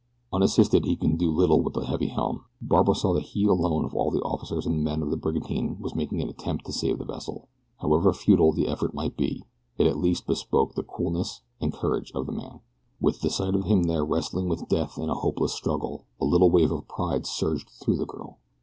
Unassisted he could do little with the heavy helm. Barbara saw that he alone of all the officers and men of the brigantine was making an attempt to save the vessel. However futile the effort might be, it at least bespoke the coolness and courage of the man. With the sight of him there wrestling with death in a hopeless struggle a little wave of pride surged through the girl.